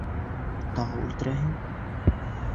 Тағы үлтерәһең!